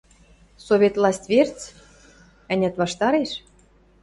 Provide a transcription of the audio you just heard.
– Совет власть верц? ӓнят, ваштареш?